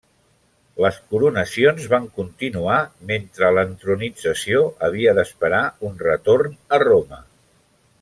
Les coronacions van continuar, mentre l'entronització havia d'esperar un retorn a Roma.